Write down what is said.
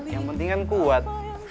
yang penting kan kuat